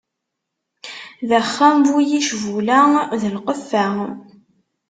D axxam bu yicbula d lqeffa.